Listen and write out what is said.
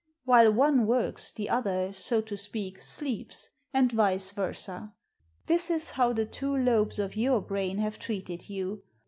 While one works the other, so to speak, sleeps, and vice versd. This b how the two lobes of your brain have treated you.